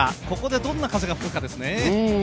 ここでどんな風が吹くかですね。